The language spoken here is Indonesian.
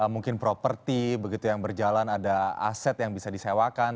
mungkin properti begitu yang berjalan ada aset yang bisa disewakan